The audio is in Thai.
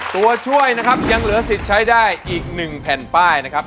ตัวช่วยนะครับยังเหลือสิทธิ์ใช้ได้อีก๑แผ่นป้ายนะครับ